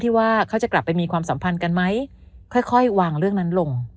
ว่าเขาจะกลับไปมีความสัมพันธ์กันไหมค่อยวางเรื่องนั้นลง